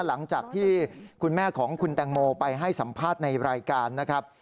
หลังจากที่คุณแม่ของคุณแตงโมไปให้สัมภาษณ์ในรายการนะครับ